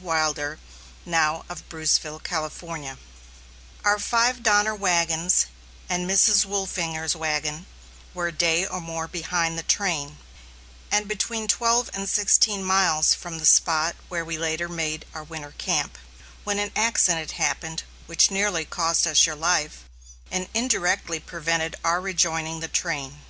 Wilder, now of Bruceville, California: Our five Donner wagons, and Mrs. Wolfinger's wagon, were a day or more behind the train, and between twelve and sixteen miles from the spot where we later made our winter camp, when an accident happened which nearly cost us your life, and indirectly prevented our rejoining the train.